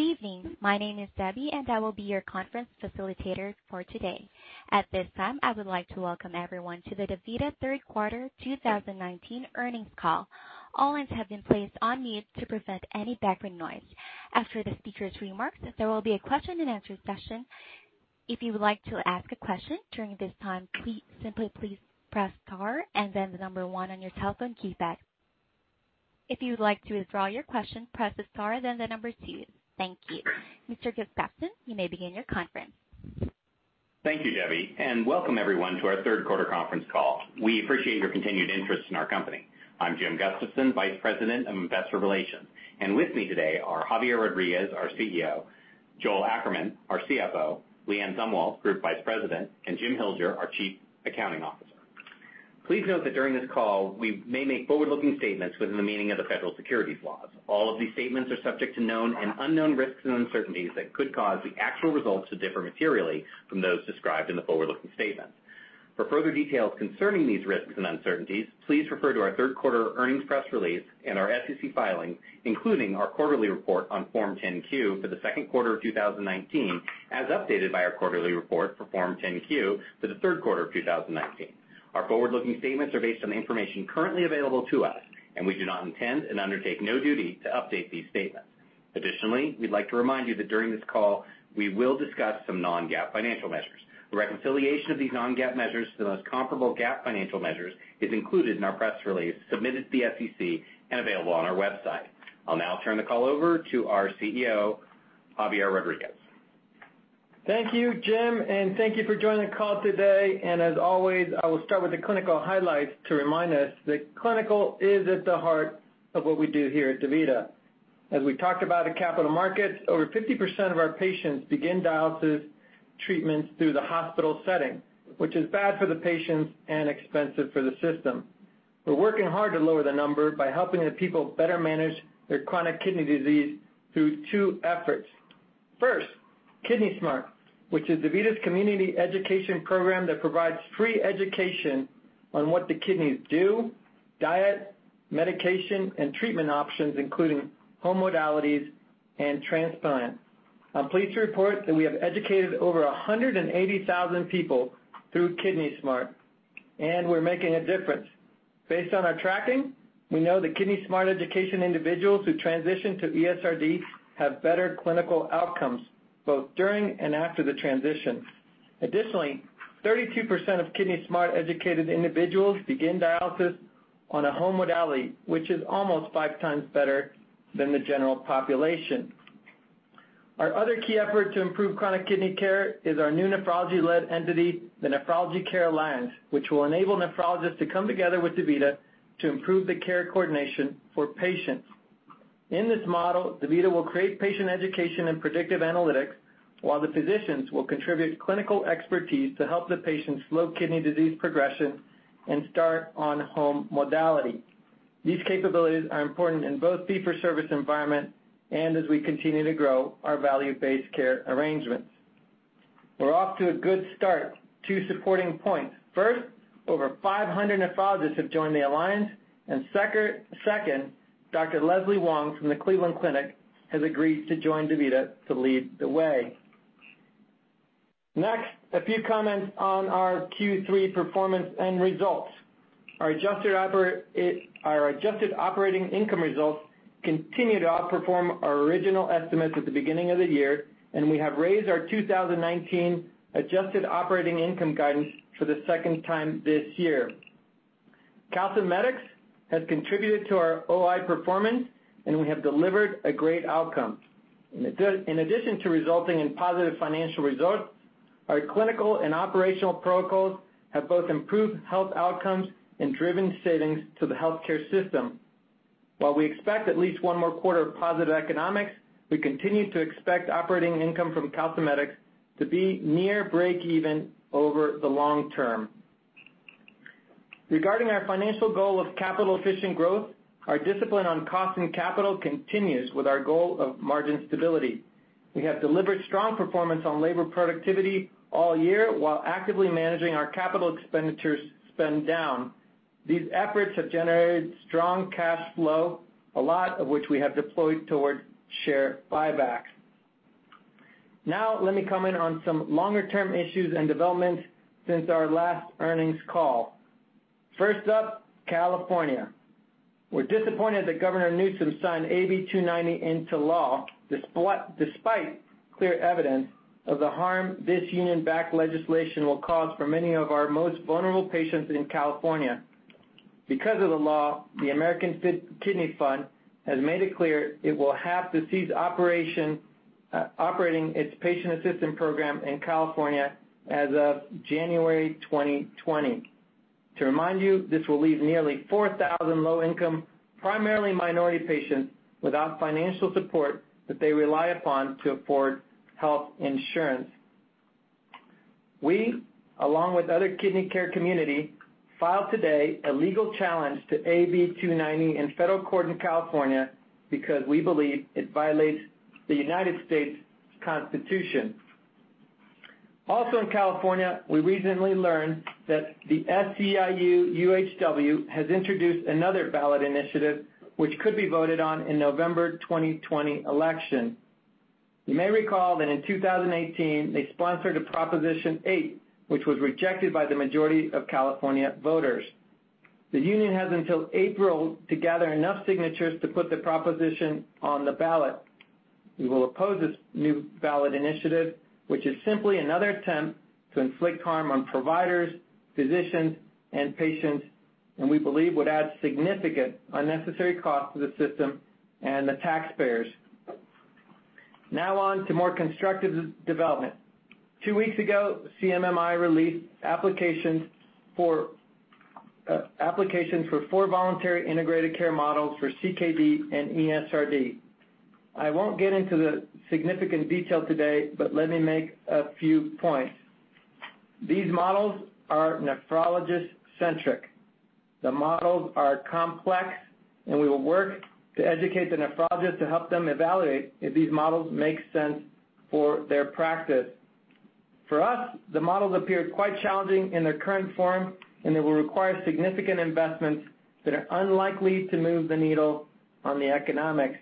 Good evening. My name is Debbie. I will be your Conference Facilitator for today. At this time, I would like to welcome everyone to the DaVita Third Quarter 2019 Earnings Call. All lines have been placed on mute to prevent any background noise. After the speakers' remarks, there will be a question-and-answer session. If you would like to ask a question during this time, please simply press star and then the number 1 on your telephone keypad. If you would like to withdraw your question, press star then the number 2. Thank you. Mr. Gustafson, you may begin your conference. Thank you, Debbie, and welcome everyone to our third quarter conference call. We appreciate your continued interest in our company. I'm Jim Gustafson, Vice President of Investor Relations, and with me today are Javier Rodriguez, our CEO, Joel Ackerman, our CFO, LeAnne Zumwalt, Group Vice President, and Jim Hilger, our Chief Accounting Officer. Please note that during this call, we may make forward-looking statements within the meaning of the federal securities laws. All of these statements are subject to known and unknown risks and uncertainties that could cause the actual results to differ materially from those described in the forward-looking statements. For further details concerning these risks and uncertainties, please refer to our third quarter earnings press release and our SEC filings, including our quarterly report on Form 10-Q for the second quarter of 2019 as updated by our quarterly report for Form 10-Q for the third quarter of 2019. Our forward-looking statements are based on the information currently available to us, and we do not intend, and undertake no duty, to update these statements. Additionally, we'd like to remind you that during this call, we will discuss some non-GAAP financial measures. The reconciliation of these non-GAAP measures to the most comparable GAAP financial measures is included in our press release submitted to the SEC and available on our website. I'll now turn the call over to our CEO, Javier Rodriguez. Thank you, Jim, and thank you for joining the call today. As always, I will start with the clinical highlights to remind us that clinical is at the heart of what we do here at DaVita. As we talked about at Capital Markets, over 50% of our patients begin dialysis treatments through the hospital setting, which is bad for the patients and expensive for the system. We're working hard to lower the number by helping the people better manage their chronic kidney disease through two efforts. First, Kidney Smart, which is DaVita's community education program that provides free education on what the kidneys do, diet, medication, and treatment options, including home modalities and transplants. I'm pleased to report that we have educated over 180,000 people through Kidney Smart, and we're making a difference. Based on our tracking, we know that Kidney Smart education individuals who transition to ESRD have better clinical outcomes, both during and after the transition. Additionally, 32% of Kidney Smart-educated individuals begin dialysis on a home modality, which is almost five times better than the general population. Our other key effort to improve chronic kidney care is our new nephrology-led entity, the Nephrology Care Alliance, which will enable nephrologists to come together with DaVita to improve the care coordination for patients. In this model, DaVita will create patient education and predictive analytics while the physicians will contribute clinical expertise to help the patients slow kidney disease progression and start on home modality. These capabilities are important in both fee-for-service environment and as we continue to grow our value-based care arrangements. We're off to a good start. Two supporting points. First, over 500 nephrologists have joined the alliance. Second, Dr. Leslie Wong from the Cleveland Clinic has agreed to join DaVita to lead the way. Next, a few comments on our Q3 performance and results. Our adjusted operating income results continue to outperform our original estimates at the beginning of the year, and we have raised our 2019 adjusted operating income guidance for the second time this year. Calcimimetics has contributed to our OI performance, and we have delivered a great outcome. In addition to resulting in positive financial results, our clinical and operational protocols have both improved health outcomes and driven savings to the healthcare system. While we expect at least one more quarter of positive economics, we continue to expect operating income from calcimimetics to be near breakeven over the long term. Regarding our financial goal of capital-efficient growth, our discipline on cost and capital continues with our goal of margin stability. We have delivered strong performance on labor productivity all year while actively managing our capital expenditures spend down. These efforts have generated strong cash flow, a lot of which we have deployed towards share buybacks. Let me comment on some longer-term issues and developments since our last earnings call. First up, California. We're disappointed that Governor Newsom signed AB-290 into law, despite clear evidence of the harm this union-backed legislation will cause for many of our most vulnerable patients in California. Because of the law, the American Kidney Fund has made it clear it will have to cease operating its patient assistance program in California as of January 2020. To remind you, this will leave nearly 4,000 low-income, primarily minority patients, without financial support that they rely upon to afford health insurance. We, along with other kidney care community, filed today a legal challenge to AB-290 in federal court in California because we believe it violates the United States Constitution. In California, we recently learned that the SEIU-UHW has introduced another ballot initiative which could be voted on in November 2020 election. You may recall that in 2018, they sponsored a Proposition 8, which was rejected by the majority of California voters. The union has until April to gather enough signatures to put the proposition on the ballot. We will oppose this new ballot initiative, which is simply another attempt to inflict harm on providers, physicians, and patients, and we believe would add significant unnecessary costs to the system and the taxpayers. On to more constructive development. Two weeks ago, CMMI released applications for four voluntary integrated care models for CKD and ESRD. I won't get into the significant detail today, let me make a few points. These models are nephrologist-centric. The models are complex, we will work to educate the nephrologist to help them evaluate if these models make sense for their practice. For us, the models appeared quite challenging in their current form, they will require significant investments that are unlikely to move the needle on the economics.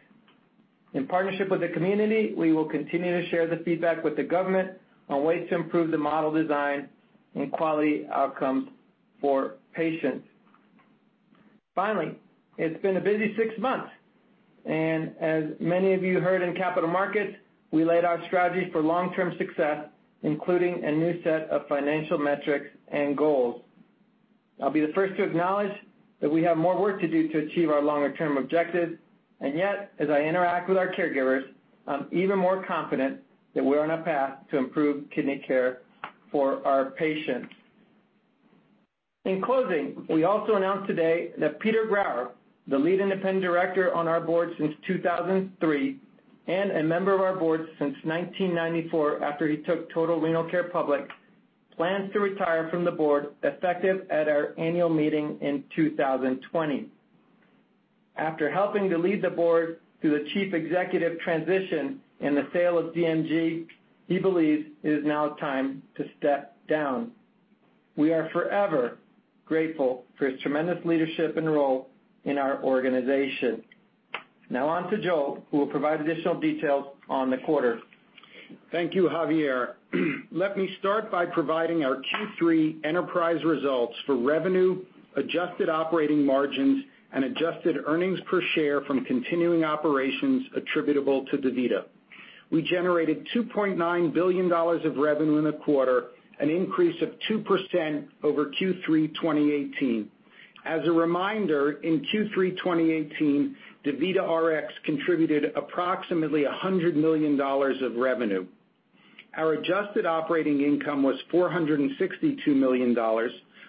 In partnership with the community, we will continue to share the feedback with the government on ways to improve the model design and quality outcomes for patients. Finally, it's been a busy six months, as many of you heard in capital markets, we laid out strategies for long-term success, including a new set of financial metrics and goals. I'll be the first to acknowledge that we have more work to do to achieve our longer-term objectives. Yet, as I interact with our caregivers, I'm even more confident that we're on a path to improve kidney care for our patients. In closing, we also announced today that Peter Grauer, the lead independent director on our board since 2003 and a member of our board since 1994, after he took Total Renal Care public, plans to retire from the board effective at our annual meeting in 2020. After helping to lead the board through the chief executive transition and the sale of DMG, he believes it is now time to step down. We are forever grateful for his tremendous leadership and role in our organization. Now on to Joel, who will provide additional details on the quarter. Thank you, Javier. Let me start by providing our Q3 enterprise results for revenue, adjusted operating margins, and adjusted earnings per share from continuing operations attributable to DaVita. We generated $2.9 billion of revenue in the quarter, an increase of 2% over Q3 2018. As a reminder, in Q3 2018, DaVita Rx contributed approximately $100 million of revenue. Our adjusted operating income was $462 million,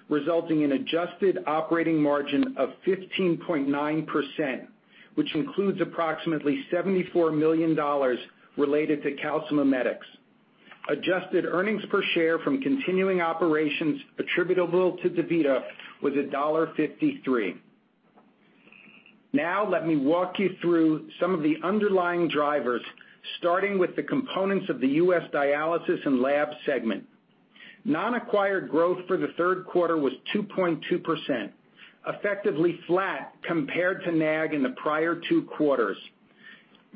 resulting in adjusted operating margin of 15.9%, which includes approximately $74 million related to Calcimimetics. Adjusted earnings per share from continuing operations attributable to DaVita was $1.53. Now, let me walk you through some of the underlying drivers, starting with the components of the U.S. dialysis and lab segment. Non-acquired growth for the third quarter was 2.2%, effectively flat compared to NAG in the prior two quarters.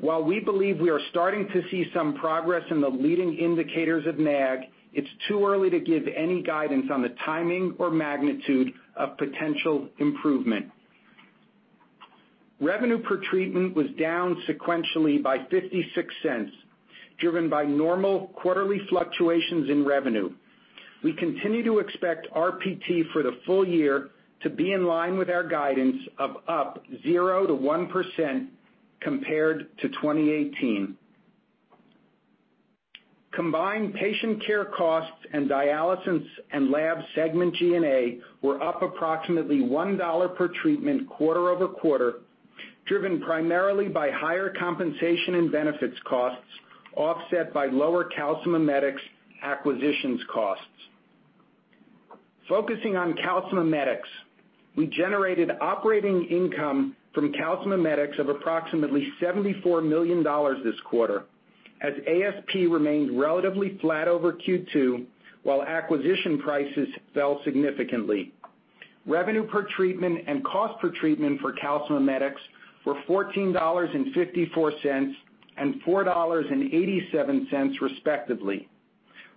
While we believe we are starting to see some progress in the leading indicators of NAG, it's too early to give any guidance on the timing or magnitude of potential improvement. Revenue per treatment was down sequentially by $0.56, driven by normal quarterly fluctuations in revenue. We continue to expect RPT for the full year to be in line with our guidance of up 0%-1% compared to 2018. Combined patient care costs and dialysis and lab segment G&A were up approximately $1 per treatment quarter-over-quarter, driven primarily by higher compensation and benefits costs, offset by lower calcimimetics acquisitions costs. Focusing on calcimimetics, we generated operating income from calcimimetics of approximately $74 million this quarter, as ASP remained relatively flat over Q2 while acquisition prices fell significantly. Revenue per treatment and cost per treatment for calcimimetics were $14.54 and $4.87, respectively.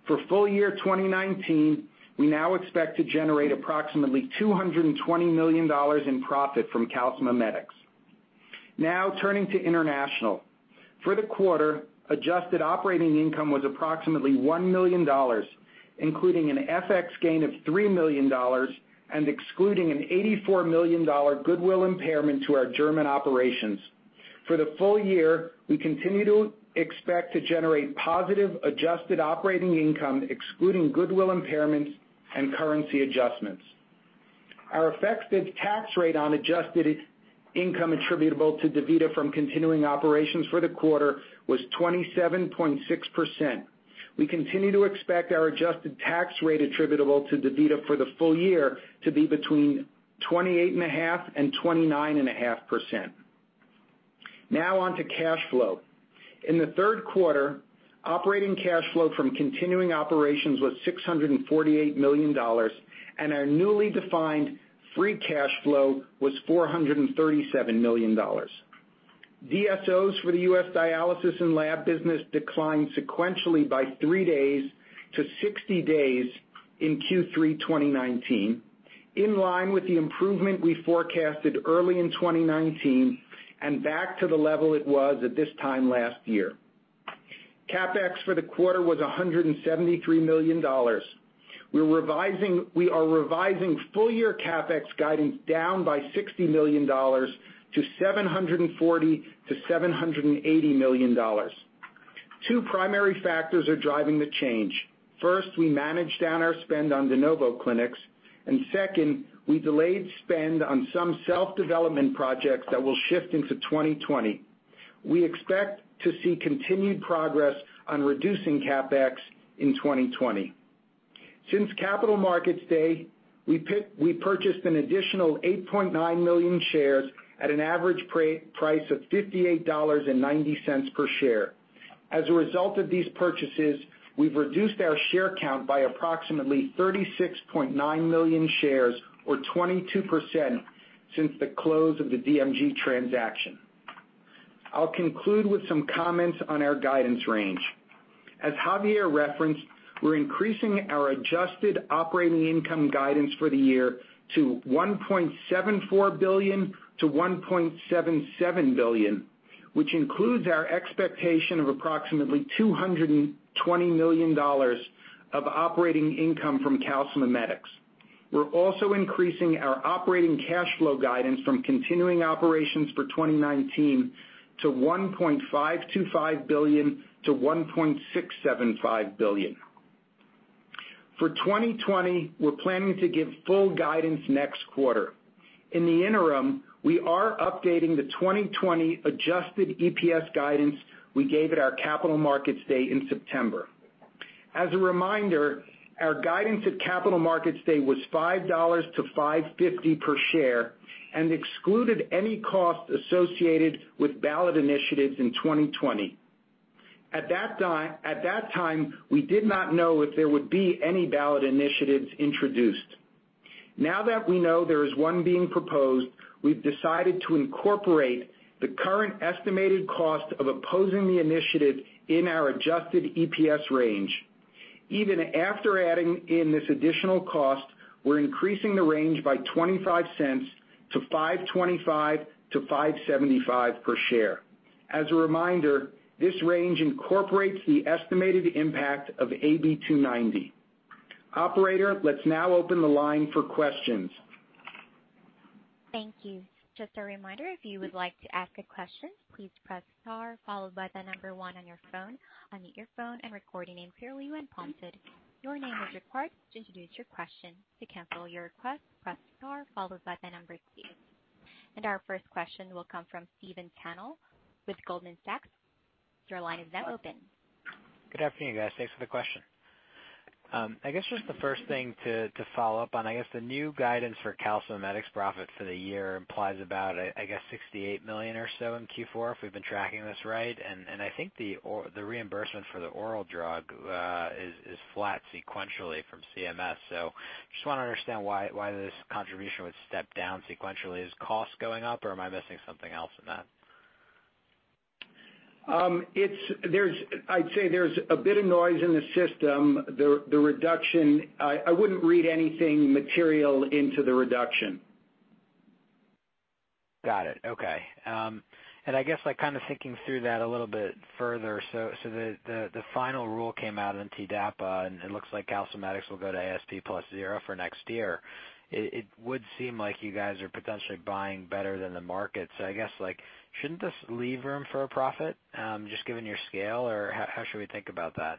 For full year 2019, we now expect to generate approximately $220 million in profit from Calcimimetics. Now turning to international. For the quarter, adjusted operating income was approximately $1 million, including an FX gain of $3 million and excluding an $84 million goodwill impairment to our German operations. For the full year, we continue to expect to generate positive adjusted operating income, excluding goodwill impairments and currency adjustments. Our effective tax rate on adjusted income attributable to DaVita from continuing operations for the quarter was 27.6%. We continue to expect our adjusted tax rate attributable to DaVita for the full year to be between 28.5% and 29.5%. Now on to cash flow. In the third quarter, operating cash flow from continuing operations was $648 million, and our newly defined free cash flow was $437 million. DSOs for the U.S. dialysis and lab business declined sequentially by three days to 60 days in Q3 2019, in line with the improvement we forecasted early in 2019 and back to the level it was at this time last year. CapEx for the quarter was $173 million. We are revising full-year CapEx guidance down by $60 million to $740 million-$780 million. Two primary factors are driving the change. First, we managed down our spend on de novo clinics, and second, we delayed spend on some self-developed projects that will shift into 2020. We expect to see continued progress on reducing CapEx in 2020. Since Capital Markets Day, we purchased an additional 8.9 million shares at an average price of $58.90 per share. As a result of these purchases, we've reduced our share count by approximately 36.9 million shares or 22% since the close of the DMG transaction. I'll conclude with some comments on our guidance range. As Javier referenced, we're increasing our adjusted operating income guidance for the year to $1.74 billion-$1.77 billion, which includes our expectation of approximately $220 million of operating income from Calcimimetics. We're also increasing our operating cash flow guidance from continuing operations for 2019 to $1.525 billion-$1.675 billion. For 2020, we're planning to give full guidance next quarter. In the interim, we are updating the 2020 adjusted EPS guidance we gave at our Capital Markets Day in September. As a reminder, our guidance at Capital Markets Day was $5-$5.50 per share and excluded any costs associated with ballot initiatives in 2020. At that time, we did not know if there would be any ballot initiatives introduced. Now that we know there is one being proposed, we've decided to incorporate the current estimated cost of opposing the initiative in our adjusted EPS range. Even after adding in this additional cost, we're increasing the range by $0.25 to $5.25-$5.75 per share. As a reminder, this range incorporates the estimated impact of AB-290. Operator, let's now open the line for questions. Thank you. Just a reminder, if you would like to ask a question, please press star followed by the number one on your phone, unmute your phone and record your name clearly when prompted. Your name is required to introduce your question. To cancel your request, press star followed by the number two. Our first question will come from Stephen Tanal with Goldman Sachs. Your line is now open. Good afternoon, guys. Thanks for the question. I guess just the first thing to follow up on, I guess the new guidance for calcimimetics profit for the year implies about, I guess, $68 million or so in Q4, if we've been tracking this right. I think the reimbursement for the oral drug is flat sequentially from CMS. Just want to understand why this contribution would step down sequentially. Is cost going up or am I missing something else in that? I'd say there's a bit of noise in the system. I wouldn't read anything material into the reduction. Got it. Okay. I guess thinking through that a little bit further, the final rule came out on TDAPA, and it looks like calcimimetics will go to ASP plus 0 for next year. It would seem like you guys are potentially buying better than the market. I guess, shouldn't this leave room for a profit, just given your scale? How should we think about that?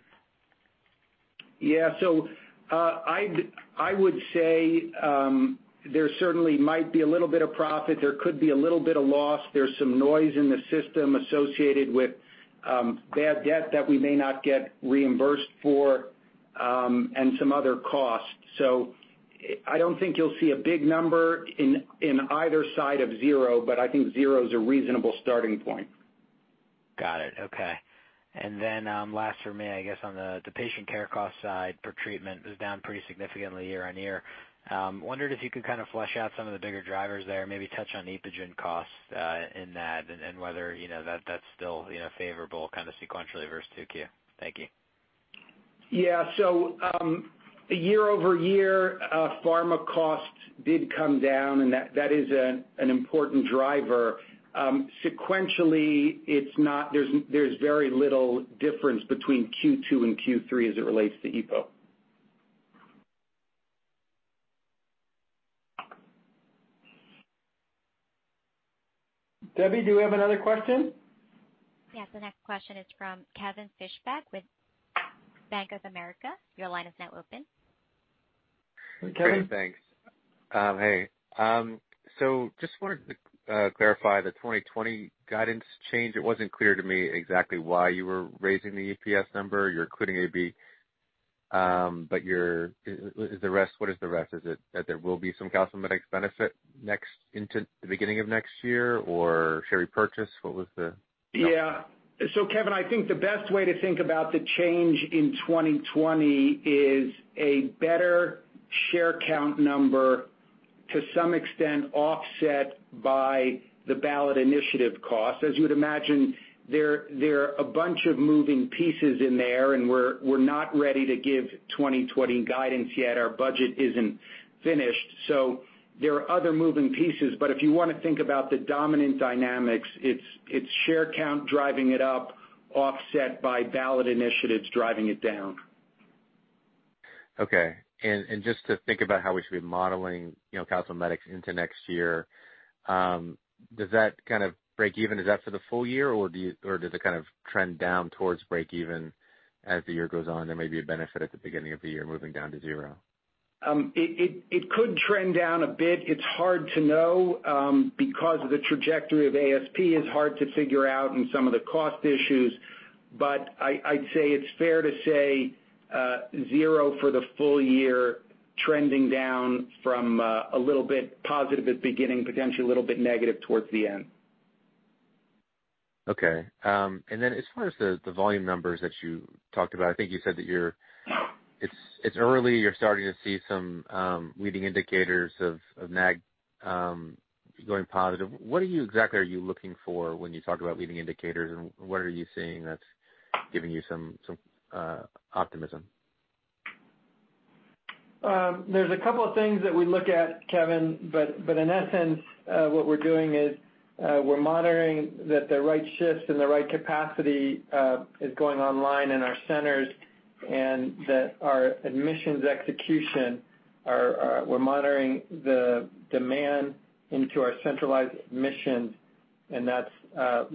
Yeah. I would say, there certainly might be a little bit of profit. There could be a little bit of loss. There's some noise in the system associated with bad debt that we may not get reimbursed for, and some other costs. I don't think you'll see a big number in either side of zero, but I think zero is a reasonable starting point. Got it. Okay. Last for me, I guess on the patient care cost side per treatment was down pretty significantly year-over-year. Wondered if you could kind of flesh out some of the bigger drivers there, maybe touch on the EPOGEN costs in that, and whether that's still favorable kind of sequentially versus 2Q. Thank you. Yeah. Year-over-year, pharma costs did come down, and that is an important driver. Sequentially, there's very little difference between Q2 and Q3 as it relates to EPO. Debbie, do we have another question? Yes. The next question is from Kevin Fischbeck with Bank of America. Your line is now open. Kevin. Kevin, thanks. Hey. Just wanted to clarify the 2020 guidance change. It wasn't clear to me exactly why you were raising the EPS number. You're including AB 290. What is the rest? Is it that there will be some calcimimetics benefit into the beginning of next year, or share repurchase? What was the- Yeah. Kevin, I think the best way to think about the change in 2020 is a better share count number to some extent offset by the ballot initiative cost. As you would imagine, there are a bunch of moving pieces in there, and we're not ready to give 2020 guidance yet. Our budget isn't finished, so there are other moving pieces, but if you want to think about the dominant dynamics, it's share count driving it up, offset by ballot initiatives driving it down. Okay. Just to think about how we should be modeling calcimimetics into next year, does that kind of break even? Is that for the full year, or does it kind of trend down towards break even as the year goes on? There may be a benefit at the beginning of the year, moving down to zero. It could trend down a bit. It's hard to know, because the trajectory of ASP is hard to figure out and some of the cost issues, but I'd say it's fair to say, zero for the full year, trending down from a little bit positive at beginning, potentially a little bit negative towards the end. Okay. Then as far as the volume numbers that you talked about, I think you said that it's early, you're starting to see some leading indicators of NAG going positive. What exactly are you looking for when you talk about leading indicators, and what are you seeing that's giving you some optimism? There's a couple of things that we look at, Kevin. In essence, what we're doing is, we're monitoring that the right shifts and the right capacity is going online in our centers, and that our admissions execution, we're monitoring the demand into our centralized admissions, and that's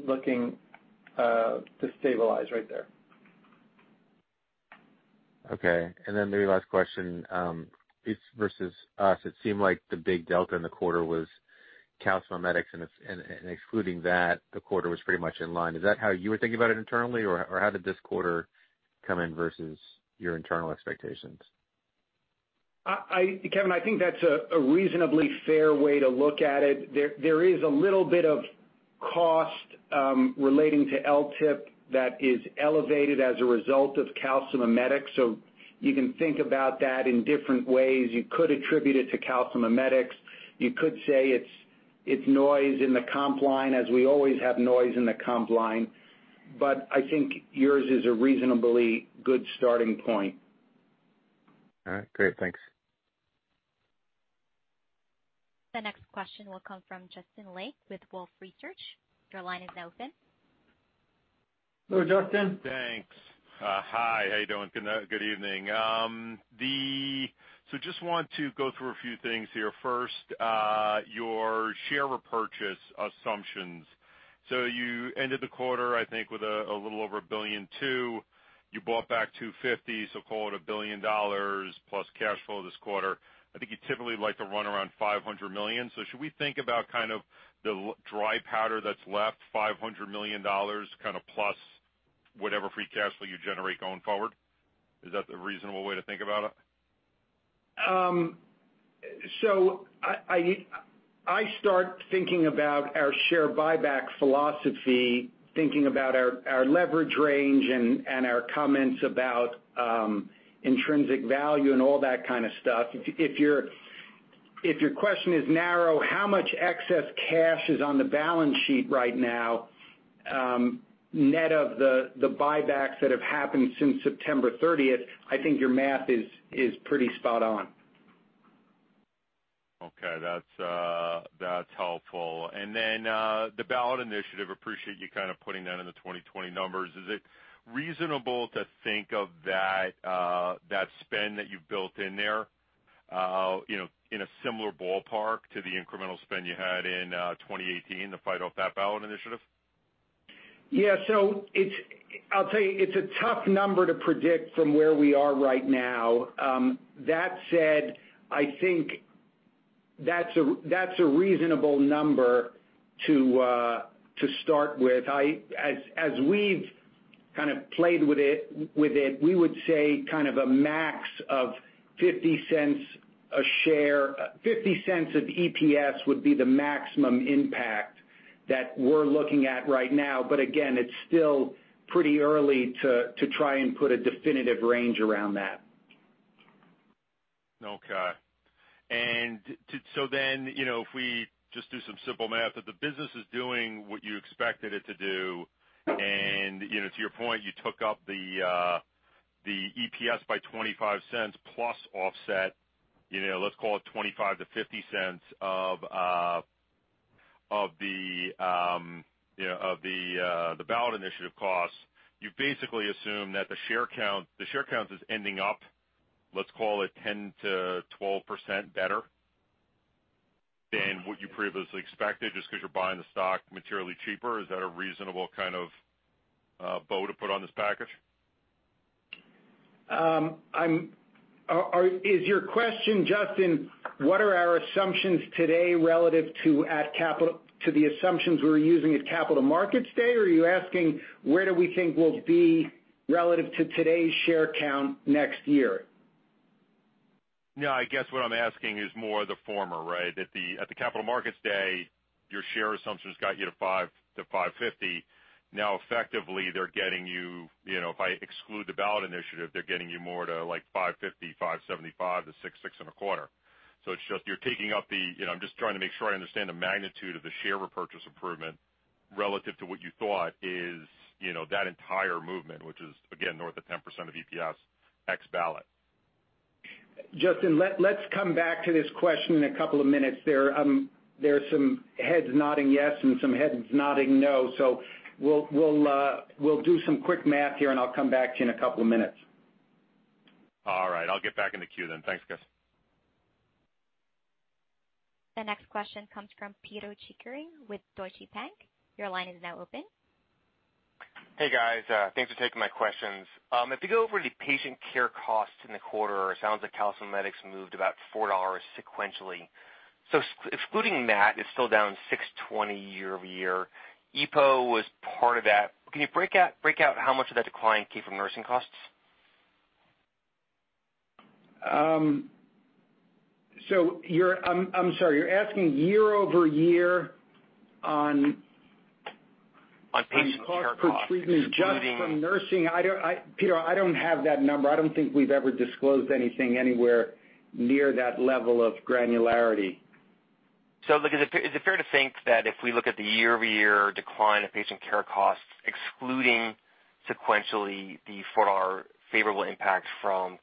looking to stabilize right there. Okay, maybe last question. It's versus us, it seemed like the big delta in the quarter was calcimimetics, and excluding that, the quarter was pretty much in line. Is that how you were thinking about it internally, or how did this quarter come in versus your internal expectations? Kevin, I think that's a reasonably fair way to look at it. There is a little bit of cost relating to LTIP that is elevated as a result of calcimimetics. You can think about that in different ways. You could attribute it to calcimimetics. You could say it's noise in the comp line, as we always have noise in the comp line. I think yours is a reasonably good starting point. All right, great. Thanks. The next question will come from Justin Lake with Wolfe Research. Your line is now open. Hello, Justin. Thanks. Hi, how you doing? Good evening. Just want to go through a few things here. First, your share repurchase assumptions. You ended the quarter, I think, with a little over $1.2 billion. You bought back $250 million, so call it $1 billion plus cash flow this quarter. I think you typically like to run around $500 million. Should we think about kind of the dry powder that's left, $500 million plus whatever free cash flow you generate going forward? Is that a reasonable way to think about it? I start thinking about our share buyback philosophy, thinking about our leverage range and our comments about intrinsic value and all that kind of stuff. If your question is narrow, how much excess cash is on the balance sheet right now, net of the buybacks that have happened since September 30th, I think your math is pretty spot on. Okay. That's helpful. Then, the ballot initiative, appreciate you putting that in the 2020 numbers. Is it reasonable to think of that spend that you've built in there, in a similar ballpark to the incremental spend you had in 2018 to fight off that ballot initiative? Yeah. I'll tell you, it's a tough number to predict from where we are right now. That said, I think that's a reasonable number to start with. As we've kind of played with it, we would say kind of a max of $0.50 of EPS would be the maximum impact that we're looking at right now, but again, it's still pretty early to try and put a definitive range around that. Okay. If we just do some simple math, if the business is doing what you expected it to do, to your point, you took up the EPS by $0.25 plus offset, let's call it $0.25-$0.50 of the ballot initiative costs. You basically assume that the share count is ending up, let's call it 10%-12% better than what you previously expected, just because you're buying the stock materially cheaper. Is that a reasonable kind of bow to put on this package? Is your question, Justin, what are our assumptions today relative to the assumptions we were using at Capital Markets Day? Or are you asking where do we think we'll be relative to today's share count next year? I guess what I'm asking is more of the former, right? At the Capital Markets Day, your share assumptions got you to $5-$5.50. effectively, they're getting you, if I exclude the ballot initiative, they're getting you more to like $5.50, $5.75-$6, $6.25. it's just you're taking up. I'm just trying to make sure I understand the magnitude of the share repurchase improvement relative to what you thought is that entire movement, which is again, north of 10% of EPS ex ballot. Justin, let's come back to this question in a couple of minutes. There's some heads nodding yes and some heads nodding no. We'll do some quick math here, and I'll come back to you in a couple of minutes. All right. I'll get back in the queue then. Thanks, guys. The next question comes from Pito Chickering with Deutsche Bank. Your line is now open. Hey, guys. Thanks for taking my questions. If you go over the patient care costs in the quarter, it sounds like Calcimimetics moved about $4 sequentially. Excluding that, it's still down $620 year-over-year. EPO was part of that. Can you break out how much of that decline came from nursing costs? I'm sorry, you're asking year-over-year? On patient care costs, excluding. cost per treatment just from nursing. Pito, I don't have that number. I don't think we've ever disclosed anything anywhere near that level of granularity. Is it fair to think that if we look at the year-over-year decline of patient care costs, excluding sequentially the $4 favorable impact from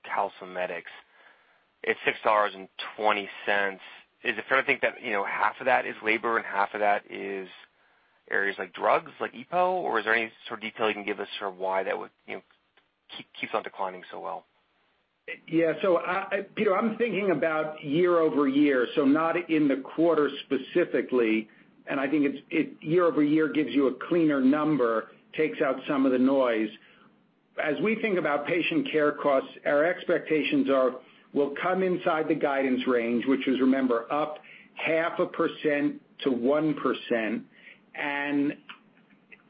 Calcimimetics, it's $6.20? Is it fair to think that half of that is labor and half of that is areas like drugs, like EPO, or is there any sort of detail you can give us for why that keeps on declining so well? Yeah. Pito, I'm thinking about year-over-year, so not in the quarter specifically, and I think year-over-year gives you a cleaner number, takes out some of the noise. As we think about patient care costs, our expectations are we'll come inside the guidance range, which is, remember, up half a percent to 1%.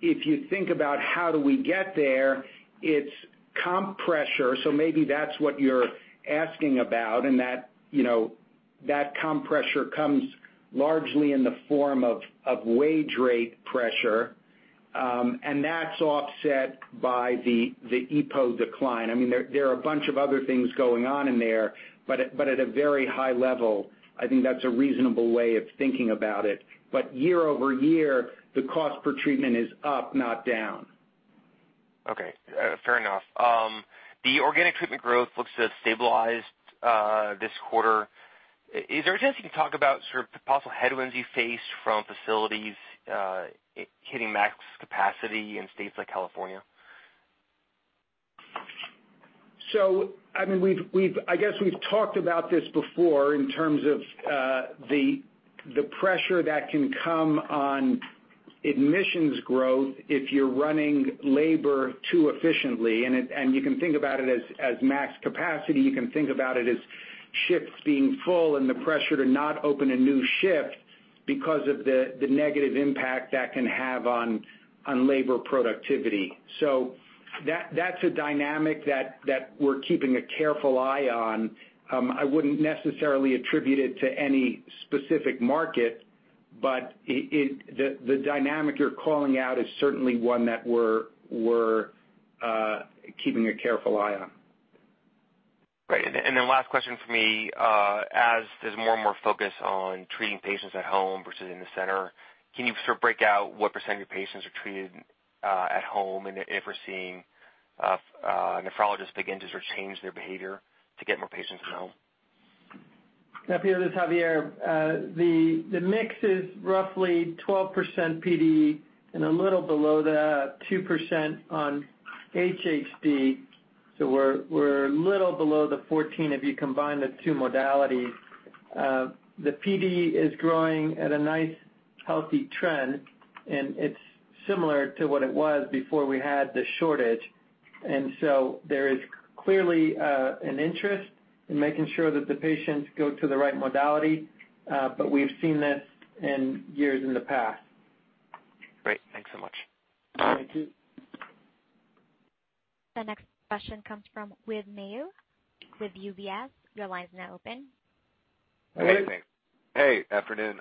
If you think about how do we get there, it's comp pressure, so maybe that's what you're asking about, and that comp pressure comes largely in the form of wage rate pressure, and that's offset by the EPO decline. There are a bunch of other things going on in there, but at a very high level, I think that's a reasonable way of thinking about it. Year-over-year, the cost per treatment is up, not down. Okay. Fair enough. The organic treatment growth looks to have stabilized this quarter. Is there a chance you can talk about sort of the possible headwinds you face from facilities hitting max capacity in states like California? I guess we've talked about this before in terms of the pressure that can come on admissions growth if you're running labor too efficiently, and you can think about it as max capacity. You can think about it as shifts being full and the pressure to not open a new shift because of the negative impact that can have on labor productivity. That's a dynamic that we're keeping a careful eye on. I wouldn't necessarily attribute it to any specific market, but the dynamic you're calling out is certainly one that we're keeping a careful eye on. Great. Last question for me. As there's more and more focus on treating patients at home versus in the center, can you sort of break out what % of your patients are treated at home? If we're seeing nephrologists begin to sort of change their behavior to get more patients at home? Yeah, Pito, this is Javier. The mix is roughly 12% PD and a little below that, 2% on HHD, so we're a little below the 14 if you combine the two modalities. The PD is growing at a nice, healthy trend, and it's similar to what it was before we had the shortage. There is clearly an interest in making sure that the patients go to the right modality, but we've seen this in years in the past. Great. Thanks so much. Thank you. The next question comes from Whit Mayo with UBS. Your line is now open. Whit. Hey. Afternoon.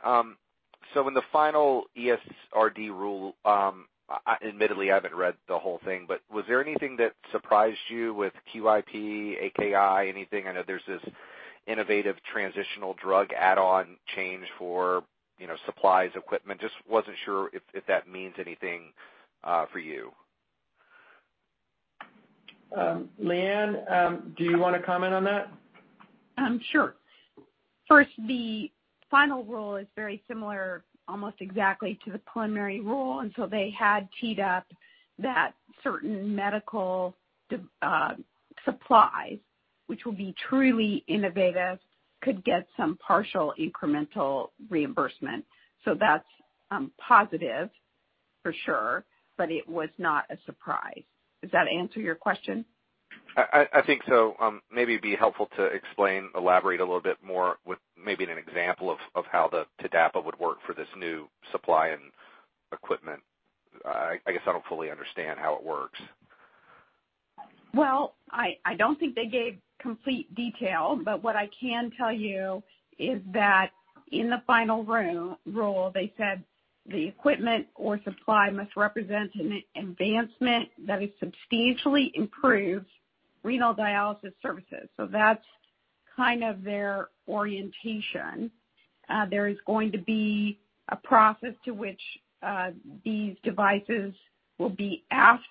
In the final ESRD rule, admittedly, I haven't read the whole thing, but was there anything that surprised you with QIP, AKI, anything? I know there's this innovative Transitional Drug Add-on change for supplies, equipment. Just wasn't sure if that means anything for you. LeAnne, do you want to comment on that? Sure. First, the final rule is very similar, almost exactly to the preliminary rule. They had teed up that certain medical supplies, which will be truly innovative, could get some partial incremental reimbursement. That's positive. For sure, it was not a surprise. Does that answer your question? I think so. Maybe it'd be helpful to explain, elaborate a little bit more with maybe an example of how the TDAPA would work for this new supply and equipment. I guess I don't fully understand how it works. Well, I don't think they gave complete detail, what I can tell you is that in the final rule, they said the equipment or supply must represent an advancement that has substantially improved renal dialysis services. That's kind of their orientation. There is going to be a process to which these devices will be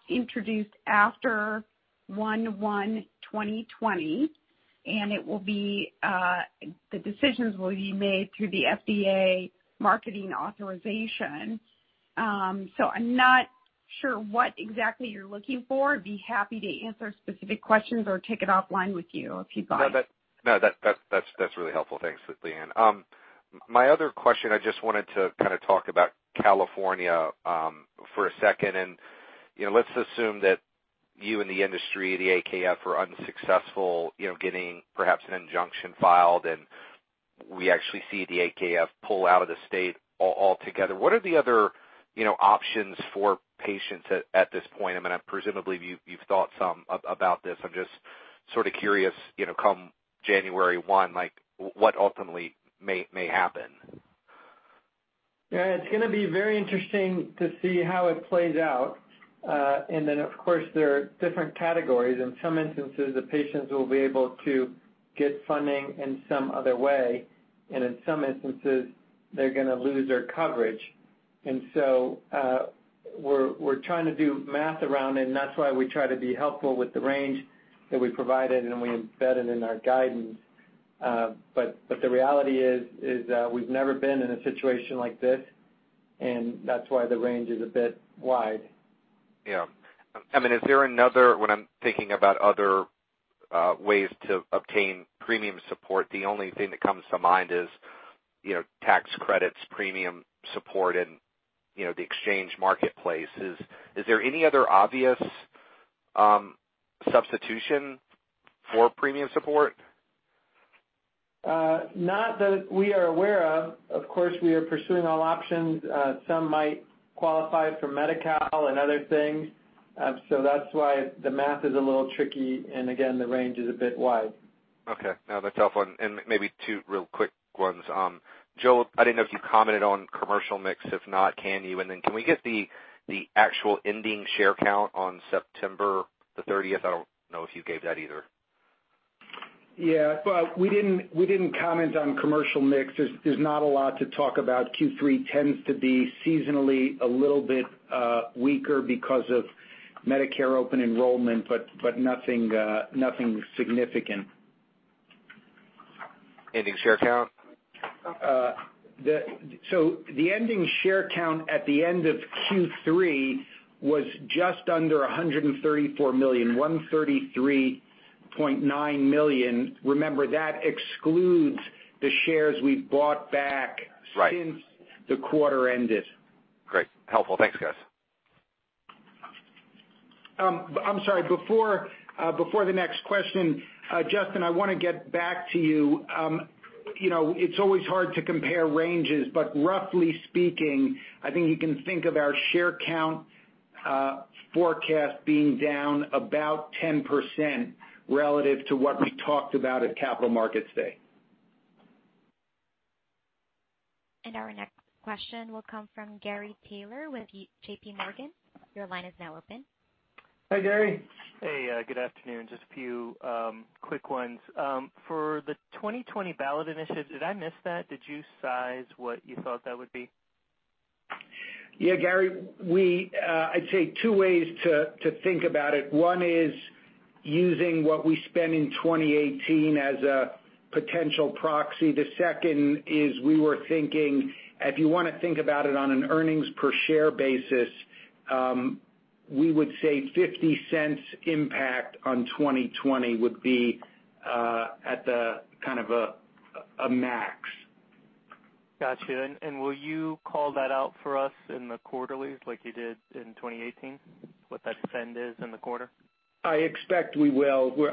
introduced after 01/01/2020. The decisions will be made through the FDA marketing authorization. I'm not sure what exactly you're looking for. I'd be happy to answer specific questions or take it offline with you if you'd like. No, that's really helpful. Thanks, LeAnne. My other question, I just wanted to talk about California for a second. Let's assume that you and the industry, the AKF, were unsuccessful getting perhaps an injunction filed, and we actually see the AKF pull out of the state altogether. What are the other options for patients at this point? I mean, presumably you've thought some about this. I'm just sort of curious, come January 1, what ultimately may happen. Yeah, it's going to be very interesting to see how it plays out. Of course, there are different categories. In some instances, the patients will be able to get funding in some other way, and in some instances, they're going to lose their coverage. We're trying to do math around it, and that's why we try to be helpful with the range that we provided, and we embed it in our guidance. The reality is we've never been in a situation like this, and that's why the range is a bit wide. Yeah. I mean, when I'm thinking about other ways to obtain premium support, the only thing that comes to mind is tax credits, premium support, and the exchange marketplace. Is there any other obvious substitution for premium support? Not that we are aware of. Of course, we are pursuing all options. Some might qualify for Medi-Cal and other things. That's why the math is a little tricky, and again, the range is a bit wide. Okay. No, that's a tough one. Maybe two real quick ones. Joel, I didn't know if you commented on commercial mix. If not, can you? Can we get the actual ending share count on September the 30th? I don't know if you gave that either. Yeah. We didn't comment on commercial mix. There's not a lot to talk about. Q3 tends to be seasonally a little bit weaker because of Medicare open enrollment, but nothing significant. Ending share count? The ending share count at the end of Q3 was just under 134 million, 133.9 million. Remember, that excludes the shares we bought back. Right since the quarter ended. Great. Helpful. Thanks, guys. I'm sorry, before the next question, Justin, I want to get back to you. It's always hard to compare ranges, roughly speaking, I think you can think of our share count forecast being down about 10% relative to what we talked about at Capital Markets Day. Our next question will come from Gary Taylor with JPMorgan. Your line is now open. Hi, Gary. Hey, good afternoon. Just a few quick ones. For the 2020 ballot initiative, did I miss that? Did you size what you thought that would be? Gary, I'd say two ways to think about it. One is using what we spent in 2018 as a potential proxy. The second is we were thinking, if you want to think about it on an EPS basis, we would say $0.50 impact on 2020 would be at the max. Got you. Will you call that out for us in the quarterlies like you did in 2018? What that spend is in the quarter? I expect we will. We're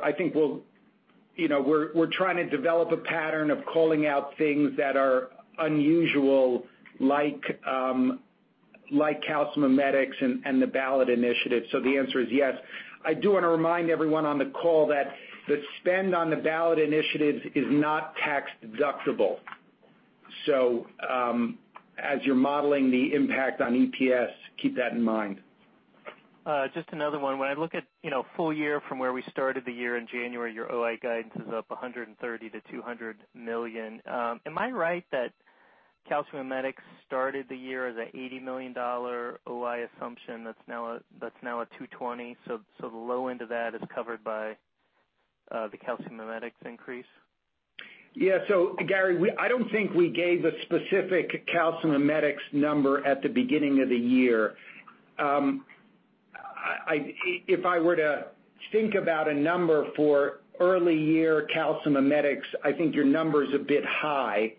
trying to develop a pattern of calling out things that are unusual, like calcimimetics and the ballot initiative. The answer is yes. I do want to remind everyone on the call that the spend on the ballot initiative is not tax-deductible. As you're modeling the impact on EPS, keep that in mind. Just another one. When I look at full year from where we started the year in January, your OI guidance is up $130 million-$200 million. Am I right that calcimimetics started the year as an $80 million OI assumption that's now at $220 million, so the low end of that is covered by the calcimimetics increase? Yeah. Gary, I don't think we gave a specific calcimimetics number at the beginning of the year. If I were to think about a number for early year calcimimetics, I think your number's a bit high.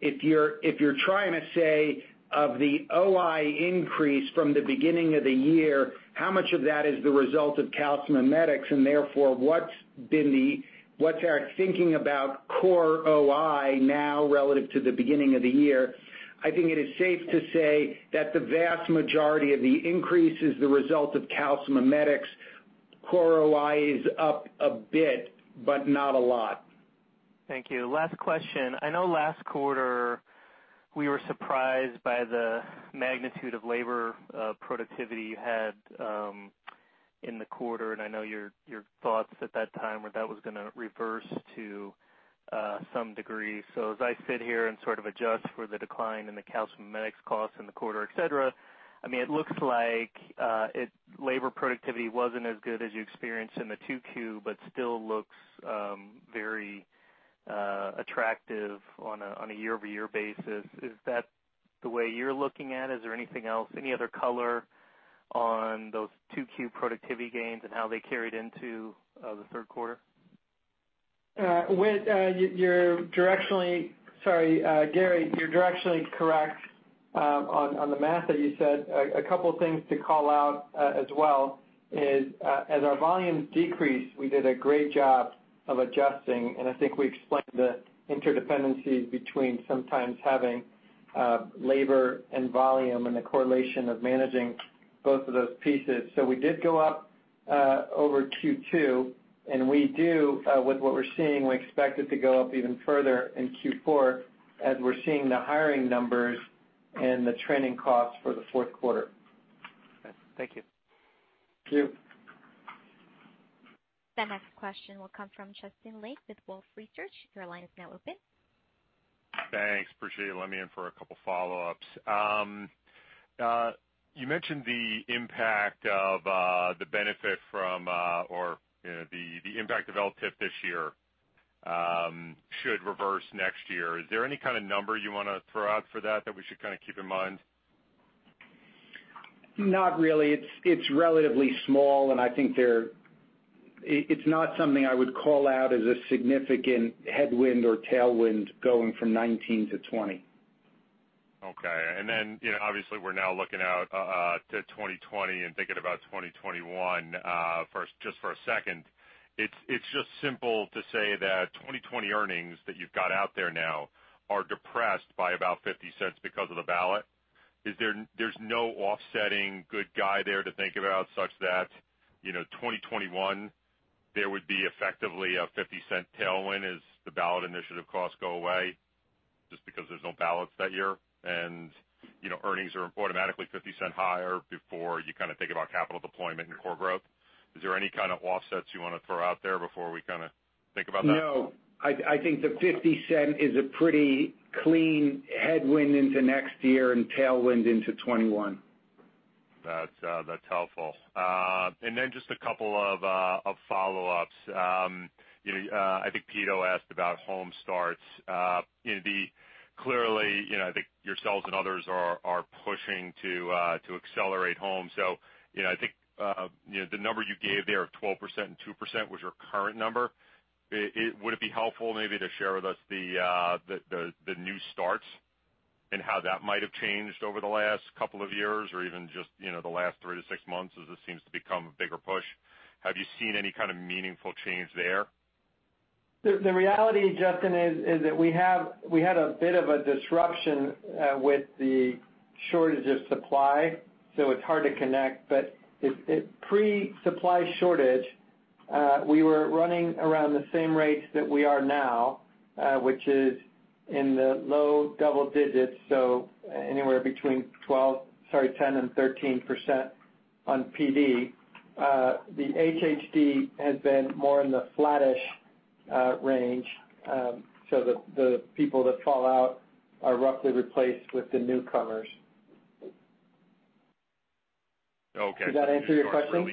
If you're trying to say of the OI increase from the beginning of the year, how much of that is the result of calcimimetics, and therefore, what's our thinking about core OI now relative to the beginning of the year? I think it is safe to say that the vast majority of the increase is the result of calcimimetics. Core OI is up a bit, but not a lot. Thank you. Last question. I know last quarter we were surprised by the magnitude of labor productivity you had in the quarter, and I know your thoughts at that time were that was going to reverse to some degree. As I sit here and sort of adjust for the decline in the calcimimetics costs in the quarter, et cetera, it looks like labor productivity wasn't as good as you experienced in the 2Q, but still looks very attractive on a year-over-year basis. Is that the way you're looking at it? Is there anything else, any other color on those 2Q productivity gains and how they carried into the third quarter? Gary, you're directionally correct on the math that you said. A couple things to call out as well is, as our volumes decreased, we did a great job of adjusting, and I think we explained the interdependencies between sometimes having labor and volume and the correlation of managing both of those pieces. We did go up over Q2, and with what we're seeing, we expect it to go up even further in Q4 as we're seeing the hiring numbers and the training costs for the fourth quarter. Okay. Thank you. Thank you. The next question will come from Justin Lake with Wolfe Research. Your line is now open. Thanks. Appreciate it. Let me in for a couple follow-ups. You mentioned the impact of the benefit from, or the impact of LTIP this year should reverse next year. Is there any kind of number you want to throw out for that that we should keep in mind? Not really. It's relatively small, and I think it's not something I would call out as a significant headwind or tailwind going from 2019 to 2020. Okay. Obviously, we're now looking out to 2020 and thinking about 2021 just for a second. It's just simple to say that 2020 earnings that you've got out there now are depressed by about $0.50 because of the ballot. There's no offsetting good guy there to think about such that 2021 there would be effectively a $0.50 tailwind as the ballot initiative costs go away just because there's no ballots that year, and earnings are automatically $0.50 higher before you think about capital deployment and core growth? Is there any kind of offsets you want to throw out there before we think about that? No. I think the $0.50 is a pretty clean headwind into next year and tailwind into 2021. That's helpful. Just a couple of follow-ups. I think Pito asked about home starts. Clearly, I think yourselves and others are pushing to accelerate home. I think the number you gave there of 12% and 2% was your current number. Would it be helpful maybe to share with us the new starts and how that might have changed over the last couple of years, or even just the last three to six months as this seems to become a bigger push? Have you seen any kind of meaningful change there? The reality, Justin, is that we had a bit of a disruption with the shortage of supply. It's hard to connect. Pre-supply shortage, we were running around the same rates that we are now, which is in the low double digits, anywhere between 10% and 13% on PD. The HHD has been more in the flattish range. The people that fall out are roughly replaced with the newcomers. Okay. Does that answer your question?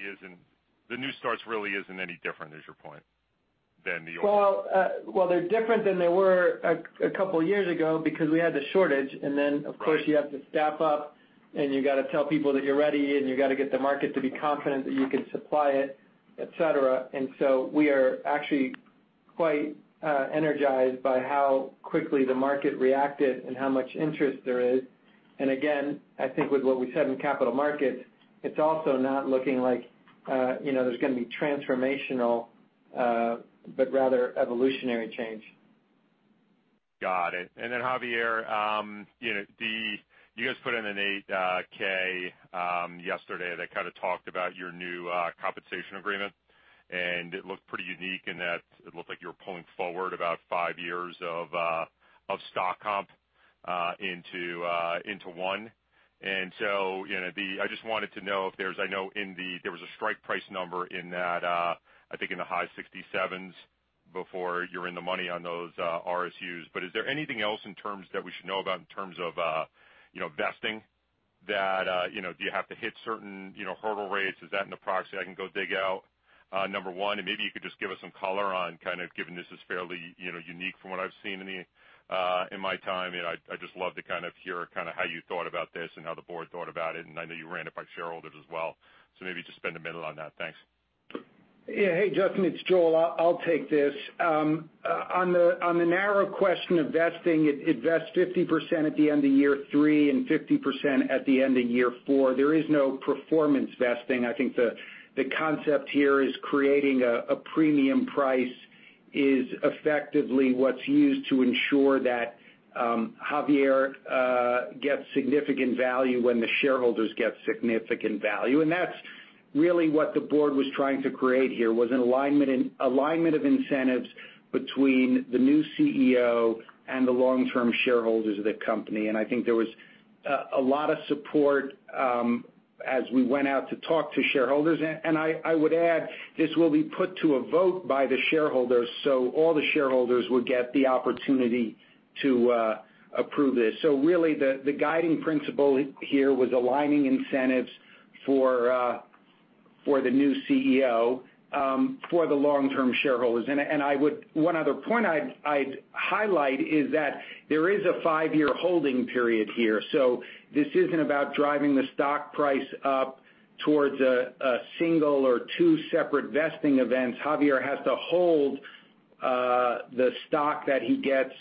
The new starts really isn't any different, is your point, than the old ones. Well, they're different than they were a couple years ago because we had the shortage, and then, of course. Right You have to staff up, and you've got to tell people that you're ready, and you've got to get the market to be confident that you can supply it, et cetera. We are actually quite energized by how quickly the market reacted and how much interest there is. I think with what we said in capital markets, it's also not looking like there's going to be transformational, but rather evolutionary change. Got it. Javier, you guys put in an 8-K yesterday that talked about your new compensation agreement, and it looked pretty unique in that it looked like you were pulling forward about 5 years of stock comp into one. I just wanted to know. I know there was a strike price number in that, I think in the high 67s before you're in the money on those RSUs. Is there anything else that we should know about in terms of vesting? Do you have to hit certain hurdle rates? Is that in the proxy I can go dig out? Number 1, and maybe you could just give us some color on, kind of, given this is fairly unique from what I've seen in my time, I'd just love to hear how you thought about this and how the board thought about it, and I know you ran it by shareholders as well. Maybe just spend a minute on that. Thanks. Yeah. Hey, Justin, it's Joel. I'll take this. On the narrow question of vesting, it vests 50% at the end of year three and 50% at the end of year four. There is no performance vesting. I think the concept here is creating a premium price is effectively what's used to ensure that Javier gets significant value when the shareholders get significant value. I think there was a lot of support as we went out to talk to shareholders. I would add, this will be put to a vote by the shareholders, so all the shareholders will get the opportunity to approve this. Really the guiding principle here was aligning incentives for the new CEO for the long-term shareholders. One other point I'd highlight is that there is a five-year holding period here. This isn't about driving the stock price up towards a single or two separate vesting events. Javier has to hold the stock that he gets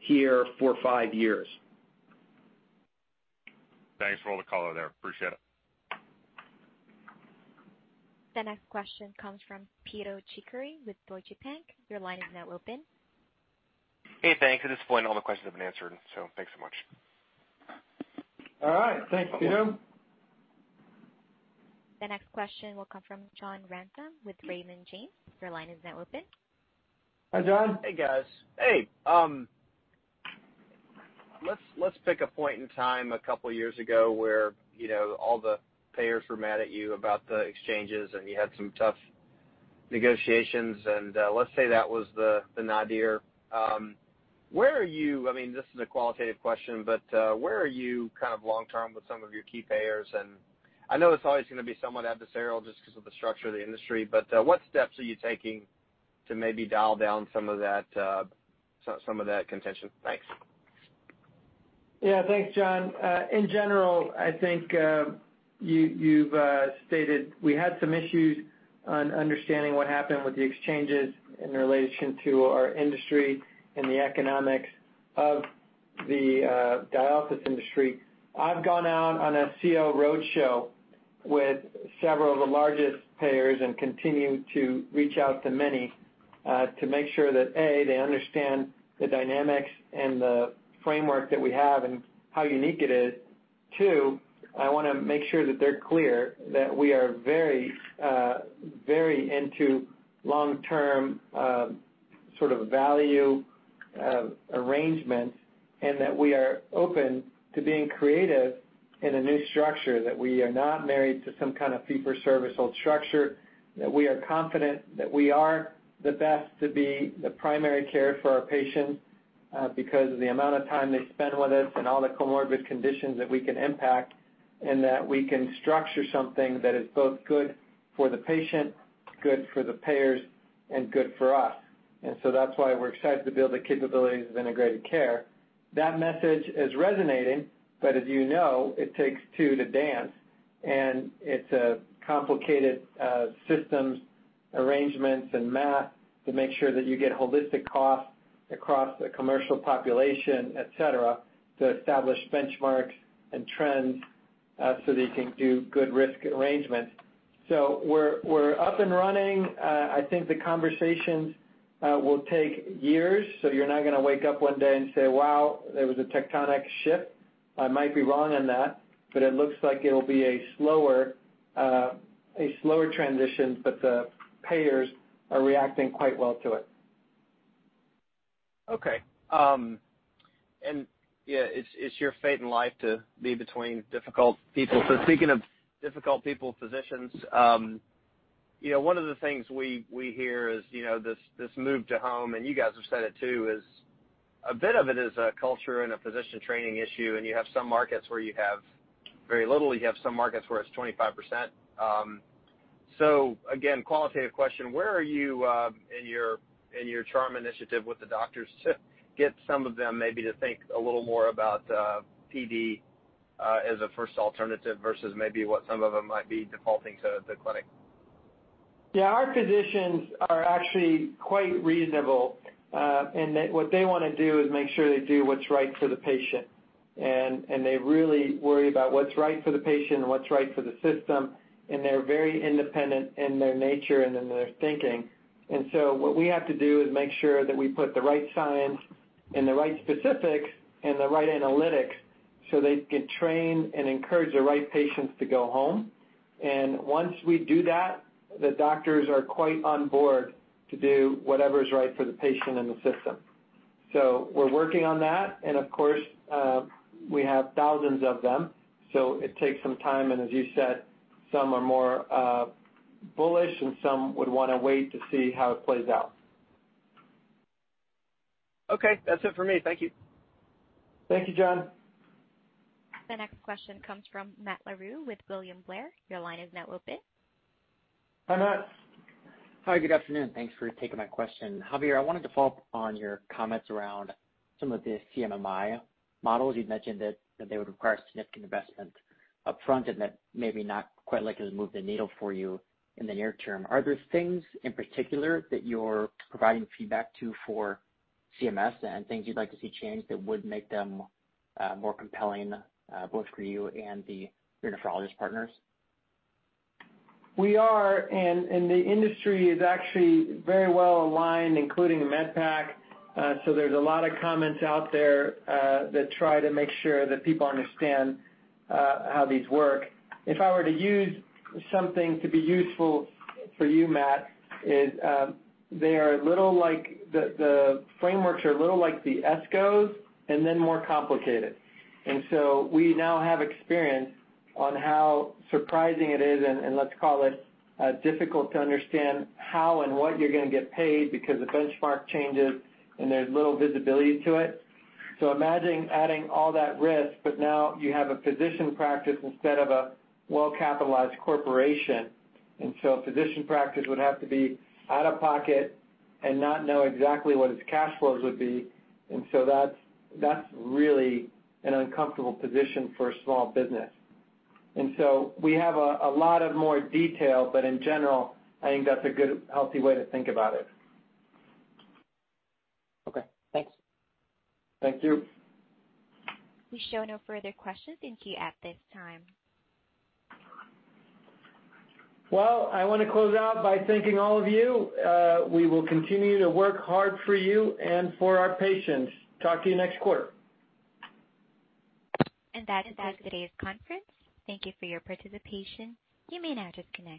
here for five years. Thanks for all the color there. Appreciate it. The next question comes from Pito Chickering with Deutsche Bank. Your line is now open. Hey, thanks. At this point all the questions have been answered. Thanks so much. All right. Thanks, Pito. The next question will come from John Ransom with Raymond James. Your line is now open. Hi, John. Hey, guys. Hey. Let's pick a point in time a couple years ago where all the payers were mad at you about the exchanges and you had some tough negotiations. Let's say that was the nadir. This is a qualitative question. Where are you kind of long-term with some of your key payers? I know it's always going to be somewhat adversarial just because of the structure of the industry. What steps are you taking to maybe dial down some of that contention? Thanks. Yeah. Thanks, John. In general, I think you've stated we had some issues on understanding what happened with the exchanges in relation to our industry and the economics of the dialysis industry. I've gone out on a CEO roadshow with several of the largest payers and continue to reach out to many, to make sure that, A, they understand the dynamics and the framework that we have and how unique it is. Two, I want to make sure that they're clear that we are very into long-term sort of value arrangements, and that we are open to being creative in a new structure, that we are not married to some kind of fee-for-service old structure. That we are confident that we are the best to be the primary care for our patients because of the amount of time they spend with us and all the comorbid conditions that we can impact, and that we can structure something that is both good for the patient, good for the payers, and good for us. That's why we're excited to build the capabilities of integrated care. That message is resonating, but as you know, it takes two to dance, and it's a complicated systems arrangements and math to make sure that you get holistic costs across the commercial population, et cetera, to establish benchmarks and trends so that you can do good risk arrangements. We're up and running. I think the conversations will take years, so you're not going to wake up one day and say, "Wow, there was a tectonic shift." I might be wrong on that, but it looks like it'll be a slower transition, but the payers are reacting quite well to it. Okay. It's your fate in life to be between difficult people. Speaking of difficult people, physicians, one of the things we hear is this move to home, and you guys have said it too, is a bit of it is a culture and a physician training issue, and you have some markets where you have very little, you have some markets where it's 25%. Again, qualitative question, where are you in your charm initiative with the doctors to get some of them maybe to think a little more about PD as a first alternative versus maybe what some of them might be defaulting to the clinic? Yeah, our physicians are actually quite reasonable, and what they want to do is make sure they do what's right for the patient. They really worry about what's right for the patient and what's right for the system, and they're very independent in their nature and in their thinking. What we have to do is make sure that we put the right science and the right specifics and the right analytics so they can train and encourage the right patients to go home. Once we do that, the doctors are quite on board to do whatever's right for the patient and the system. We're working on that, and of course, we have thousands of them, so it takes some time, and as you said, some are more bullish and some would want to wait to see how it plays out. Okay, that's it for me. Thank you. Thank you, John. The next question comes from Matt Larew with William Blair. Your line is now open. Hi, Matt. Hi, good afternoon. Thanks for taking my question. Javier, I wanted to follow up on your comments around some of the CMMI models. You'd mentioned that they would require significant investment upfront and that maybe not quite likely to move the needle for you in the near term. Are there things in particular that you're providing feedback to for CMS and things you'd like to see changed that would make them more compelling, both for you and the nephrologist partners? We are, and the industry is actually very well aligned, including MedPAC. There's a lot of comments out there that try to make sure that people understand how these work. If I were to use something to be useful for you, Matt, is the frameworks are a little like the ESCOs then more complicated. We now have experience on how surprising it is, and let's call it, difficult to understand how and what you're going to get paid because the benchmark changes and there's little visibility to it. Imagine adding all that risk, but now you have a physician practice instead of a well-capitalized corporation. A physician practice would have to be out of pocket and not know exactly what its cash flows would be. That's really an uncomfortable position for a small business. We have a lot of more detail, but in general, I think that's a good, healthy way to think about it. Okay, thanks. Thank you. We show no further questions in queue at this time. Well, I want to close out by thanking all of you. We will continue to work hard for you and for our patients. Talk to you next quarter. That concludes today's conference. Thank you for your participation. You may now disconnect.